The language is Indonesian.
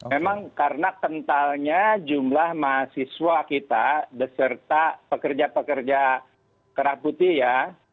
memang karena kentalnya jumlah mahasiswa kita beserta pekerja pekerja kerah putih ya